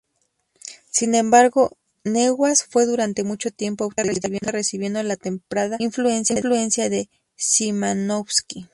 Sin embargo, Neuhaus fue durante mucho tiempo autodidacta, recibiendo la temprana influencia de Szymanowski.